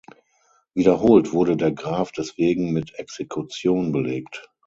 Wiederholt wurde der Graf deswegen mit Exekution belegt.